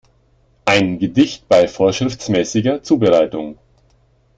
Ein Gedicht bei vorschriftsmäßiger Zubereitung.